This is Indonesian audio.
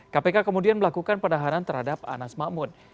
kpk kemudian melakukan penahanan terhadap anas makmun